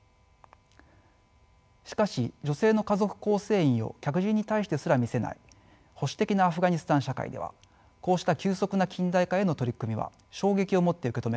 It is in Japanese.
しかし女性の家族構成員を客人に対してすら見せない保守的なアフガニスタン社会ではこうした急速な近代化への取り組みは衝撃をもって受け止められました。